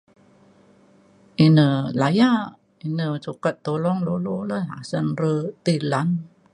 ine laya' ine sukat tolong lulu le asen re tai lan.